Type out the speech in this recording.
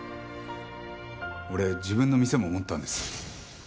俺自分の店も持ったんです。